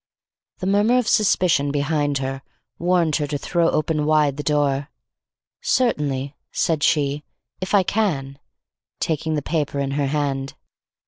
The murmur of suspicion behind her, warned her to throw wide open the door. "Certainly," said she, "if I can," taking the paper in her hand.